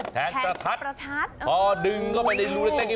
แทงประทัดโอ้โหแทงประทัดพอดึงเข้าไปในรูเล็กอย่างนั้น